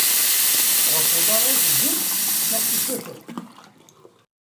Ɣef uḍar ara teddumt neɣ s usakal?